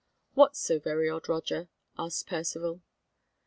"What's so very odd, Roger?" asked Percivale.